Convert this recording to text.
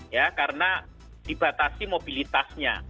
ya karena dibatasi mobilitasnya